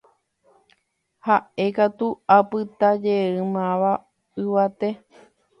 ha'ete ku apytajeýmava yvate